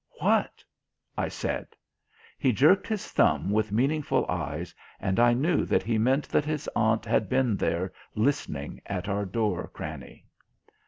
"What?" I said. He jerked his thumb with meaningful eyes, and I knew that he meant that his aunt had been there listening at our door cranny.